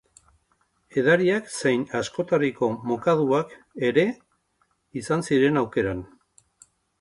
Edariak zein askotariko mokaduak ere izan ziren aukeran.